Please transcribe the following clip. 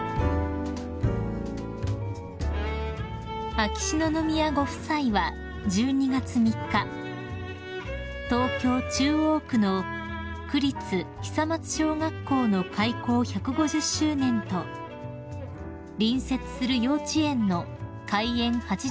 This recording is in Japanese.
［秋篠宮ご夫妻は１２月３日東京中央区の区立久松小学校の開校１５０周年と隣接する幼稚園の開園８０周年を祝う式典に出席されました］